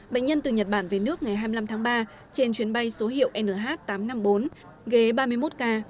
bệnh nhân từ nhật bản về nước ngày hai mươi năm tháng ba trên chuyến bay số hiệu nh tám trăm năm mươi bốn ghế ba mươi một k